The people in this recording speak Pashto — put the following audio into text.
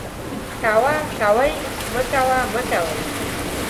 کوه ، کوئ ، مکوه ، مکوئ